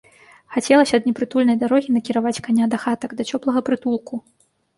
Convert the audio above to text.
Хацелася ад непрытульнай дарогі накіраваць каня да хатак, да цёплага прытулку.